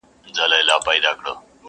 ښکلي زلمي به یې تر پاڼو لاندي نه ټولیږي.!